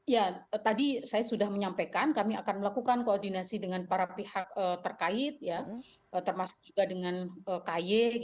ya tadi saya sudah menyampaikan kami akan melakukan koordinasi dengan para pihak terkait ya termasuk juga dengan ky